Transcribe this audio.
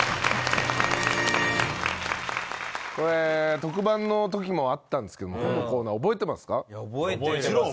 これ特番のときもあったんですけどこのコーナー覚えてますか？